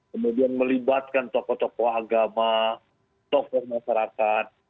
kemudian melibatkan tokoh tokoh agama tokoh masyarakat